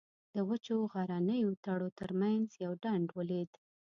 د وچو غرنیو تړو تر منځ یو ډنډ ولید.